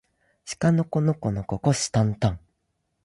しかのこのこのここしたんたん